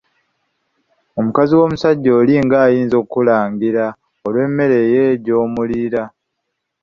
Omukazi w'omusajja oli ng'ayinza okukulangira olw'emmere ye gy'omuliira.